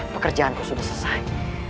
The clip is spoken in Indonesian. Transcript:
pekerjaanku sudah selesai